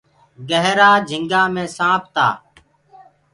گيهرآ جھٚنِگآ مي سآنپ تآ۔